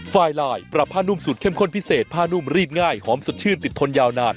ไฟลายปรับผ้านุ่มสูตรเข้มข้นพิเศษผ้านุ่มรีดง่ายหอมสดชื่นติดทนยาวนาน